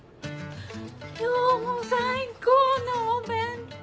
今日も最高のお弁当！